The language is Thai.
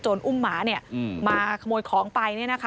อุ้มหมามาขโมยของไป